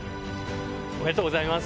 おめでとうございます。